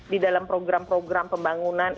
di dalam program program pembangunan